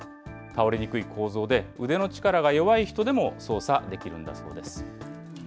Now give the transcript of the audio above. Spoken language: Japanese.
倒れにくい構造で、腕の力が弱い人でも操作できるんだそうです。